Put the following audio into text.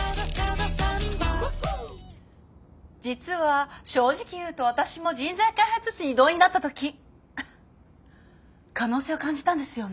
実は正直言うと私も人材開発室に異動になった時可能性を感じたんですよね。